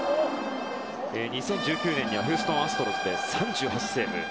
２０１９年にはヒューストン・アストロズで３８セーブ。